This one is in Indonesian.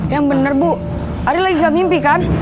yang bener bu ari lagi gak mimpi kan